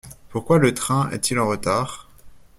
Pourquoi le train est-il en retard ?